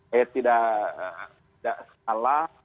saya tidak salah